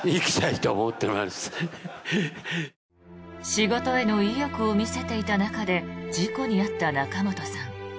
仕事への意欲を見せていた中で事故に遭った仲本さん。